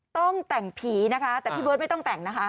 ต้องแต่งผีนะคะแต่พี่เบิร์ตไม่ต้องแต่งนะคะ